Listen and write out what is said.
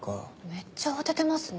めっちゃ慌ててますね。